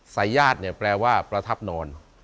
สายาทแปลว่าประทับนอน